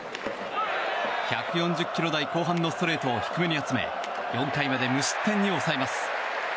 １４０キロ台後半のストレートを低めに集め４回まで無失点に抑えます。